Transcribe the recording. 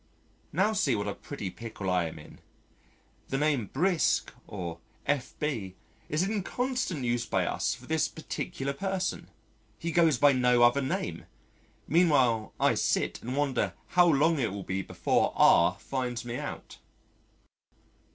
Now see what a pretty pickle I am in: the name "Brisk" or "F.B." is in constant use by us for this particular person he goes by no other name, meanwhile I sit and wonder how long it will be before R finds me out.